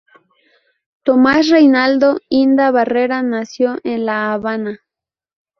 Tomás Reinaldo Inda Barrera nació en La Habana.